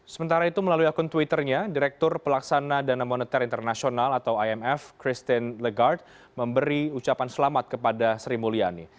sementara itu melalui akun twitternya direktur pelaksana dana moneter internasional atau imf christine lagarde memberi ucapan selamat kepada sri mulyani